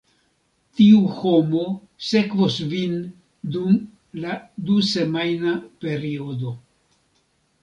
Tiu homo sekvos vin dum la du-semajna periodo.